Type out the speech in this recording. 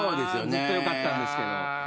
ずっと良かったんですけど。